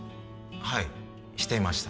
はいしていました